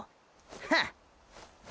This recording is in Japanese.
ハッ。